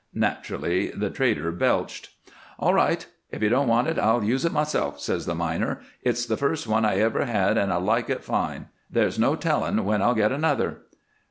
Naturally the trader belched. "'All right. If you don't want it I'll use it myself,' says the miner. 'It's the first one I ever had, and I like it fine. There's no telling when I'll get another.'